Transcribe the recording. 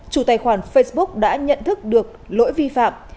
chủ tài khoản facebook đã nhận thức được lỗi vi phạm